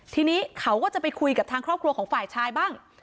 ทีนี้เขาก็จะไปคุยกับทางครอบครัวของฝ่ายชายบ้าง